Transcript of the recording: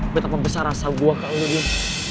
betapa besar rasa gue ke lo din